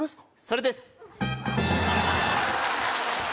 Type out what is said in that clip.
それです